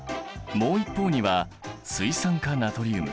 もう一方には水酸化ナトリウム。